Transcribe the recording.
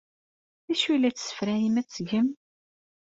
D acu ay la tessefrayem ad t-tgem?